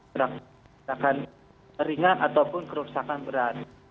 gerakan kerusakan ringan ataupun kerusakan berat